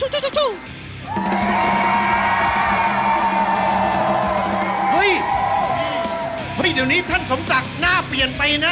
เดี๋ยวนี้เดี๋ยวนี้ท่านสมศักดิ์หน้าเปลี่ยนไปนะ